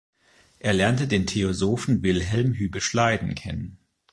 Er lernte den Theosophen Wilhelm Hübbe-Schleiden kennen.